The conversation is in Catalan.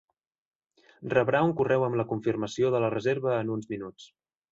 Rebrà un correu amb la confirmació de la reserva en uns minuts.